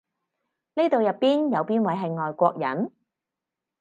呢度入邊有邊位係外國人？